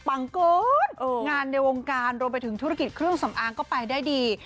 เกินงานในวงการรวมไปถึงธุรกิจเครื่องสำอางก็ไปได้ดี